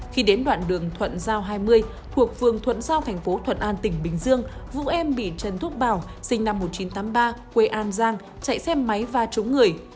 khi đến đoạn đường thuận giao hai mươi thuộc phường thuận giao thành phố thuận an tỉnh bình dương vụ em bị trần thuốc bảo sinh năm một nghìn chín trăm tám mươi ba quê an giang chạy xe máy va trúng người